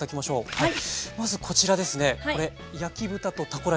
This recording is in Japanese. はい。